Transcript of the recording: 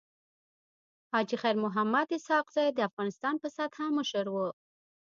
حاجي خير محمد اسحق زی د افغانستان په سطحه مشر وو.